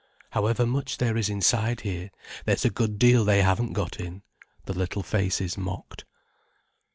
"However much there is inside here, there's a good deal they haven't got in," the little faces mocked.